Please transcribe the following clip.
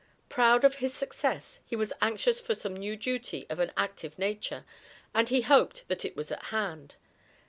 Proud of his success, he was anxious for some new duty of an active nature, and he hoped that it was at hand.